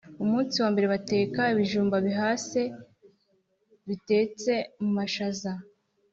Umunsi wa mbere bateka ibijumba bihase bitetse mu mashaza.